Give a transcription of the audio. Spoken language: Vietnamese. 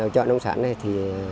chợ nông sản này thì